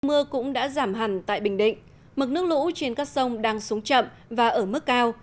mưa cũng đã giảm hẳn tại bình định mực nước lũ trên các sông đang xuống chậm và ở mức cao